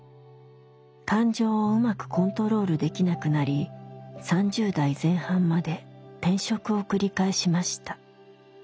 感情をうまくコントロールできなくなり３０代前半まで転職を繰り返しました。